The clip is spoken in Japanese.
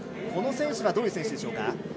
この選手はどういう選手ですか。